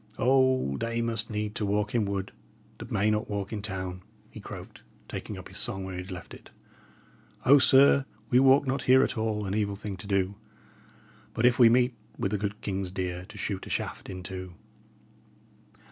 "'O, they must need to walk in wood that may not walk in town,'" he croaked, taking up his song where he had left it. "O, sir, we walk not here at all an evil thing to do. But if we meet with the good king's deer to shoot a shaft into."